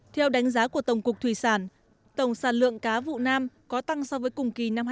theo đánh giá của tổng cục thủy sản tổng sản lượng cá vụ nam có tăng so với cùng kỳ năm hai nghìn một mươi chín